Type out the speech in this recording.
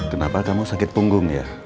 kenapa kamu sakit punggung ya